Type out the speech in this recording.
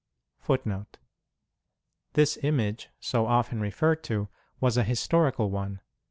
This image, so often referred to, was a historical one.